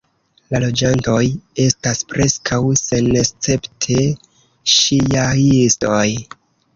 La loĝantoj estas preskaŭ senescepte ŝijaistoj.